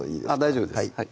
大丈夫です